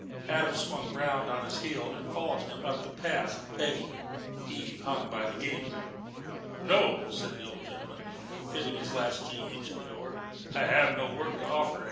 Adam swung round on his heel and followed him up the path, begging. Eve hung by the gate. "No," said the old gentleman, fitting his latchkey into the door, "I have no work to offer.